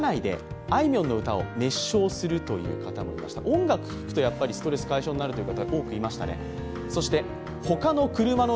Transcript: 音楽を聴くとやっぱりストレス解消になるという方、多くいましたね。